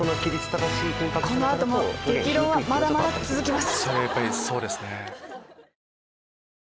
この後も激論はまだまだ続きます。